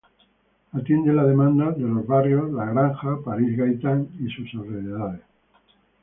Atiende la demanda de los barrios La Granja, París-Gaitán y sus alrededores.